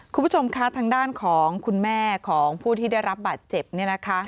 คุณผู้ชมคะทางด้านของคุณแม่ของผู้ที่ได้รับบาดเจ็บเนี่ยนะคะ